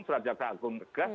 surat jaksaan agung tegas